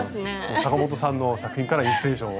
阪本さんの作品からインスピレーションを。